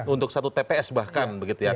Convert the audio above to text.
untuk satu tps bahkan begitu ya